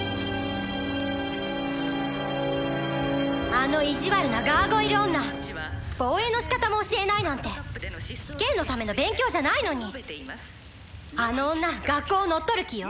あの意地悪なガーゴイル女防衛のしかたも教えないなんて試験のための勉強じゃないのにあの女学校を乗っ取る気よ